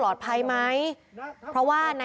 พ่อหยิบมีดมาขู่จะทำร้ายแม่